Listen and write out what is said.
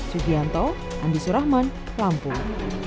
sugianto andi surahman lampung